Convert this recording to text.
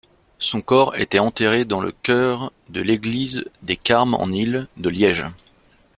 Son corps était enterré dans le chœur de l'église des Carmes-en-Île de Liège.